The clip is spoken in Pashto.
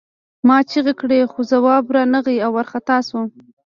ما چیغې کړې خو ځواب را نغی او وارخطا شوم